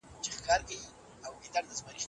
مه هېروئ.